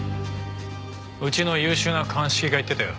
うちの優秀な鑑識が言ってたよ。